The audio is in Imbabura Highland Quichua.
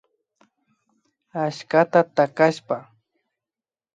Achskata takashpa